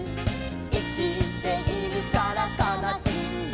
「いきているからかなしいんだ」